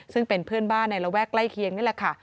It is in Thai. ซึ่งเป็นเพื่อนบ้านในระแวกใกล้เคียงนี่แหละค่ะ